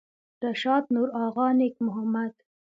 رشاد نورآغا نیک محمد